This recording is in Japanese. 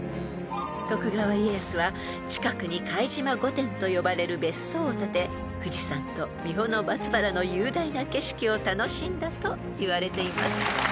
［徳川家康は近くに貝島御殿と呼ばれる別荘を建て富士山と三保松原の雄大な景色を楽しんだといわれています］